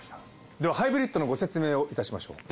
ではハイブリッドのご説明をいたしましょう。